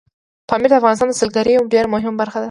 پامیر د افغانستان د سیلګرۍ یوه ډېره مهمه برخه ده.